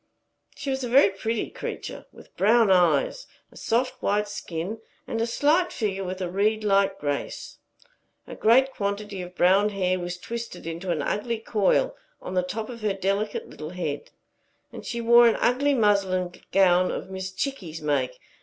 She was a very pretty creature, with brown eyes, a soft white skin, and a slight figure with a reed like grace. A great quantity of brown hair was twisted into an ugly coil on the top of her delicate little head; and she wore an ugly muslin gown of Miss Chickie's make.